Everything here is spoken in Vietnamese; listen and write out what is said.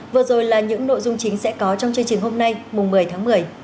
vừa rồi là những nội dung chính sẽ có trong chương trình hôm nay mùng một mươi tháng một mươi